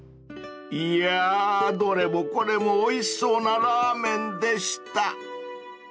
［いやーどれもこれもおいしそうなラーメンでした］